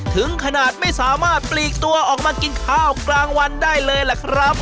ถึงขนาดไม่สามารถปลีกตัวออกมากินข้าวกลางวันได้เลยล่ะครับ